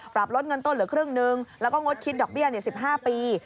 ปรับลดเงินต้นเหลือครึ่งนึงแล้วก็งดคิดดอกเบี้ย๑๕ปี